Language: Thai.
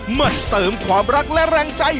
หมดเติมความรักและรังใจ